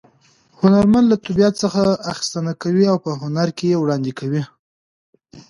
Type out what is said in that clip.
هنرمن له طبیعت څخه اخیستنه کوي او په هنر کې یې وړاندې کوي